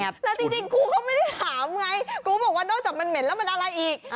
แล้วจริงครูเขาไม่ได้ถามไงครูก็บอกว่านอกจากมันเหม็นแล้วมันอะไรอีก